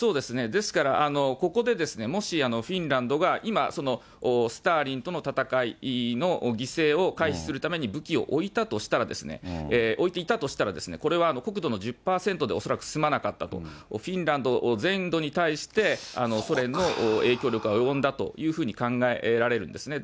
ですから、ここでもしフィンランドが今、スターリンとの戦いの犠牲を回避するために武器を置いたとしたら、置いていたとしたら、これは、国土の１０％で恐らく済まなかったと、フィンランド全土に対して、ソ連の影響力が及んだというふうに考えられるんですね。